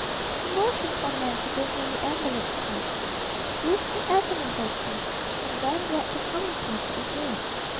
He motioned for Nan to bring him the envelope, too. This he examined closely, and then read the communication again.